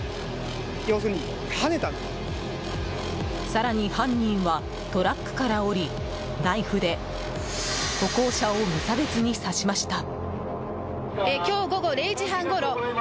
更に犯人はトラックから降りナイフで歩行者を無差別に刺しました。